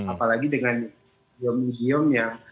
apalagi dengan idiom idiomnya